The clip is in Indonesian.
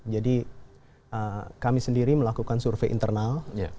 jadi kami sendiri melakukan survei internal